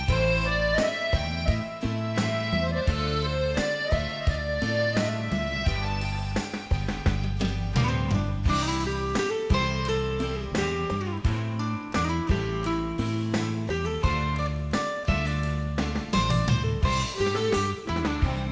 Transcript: ทุนสะสมมูล